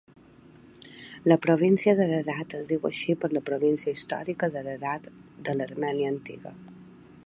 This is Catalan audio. La província d'Ararat es diu així per la província històrica d'Ararat de l'Armènia antiga.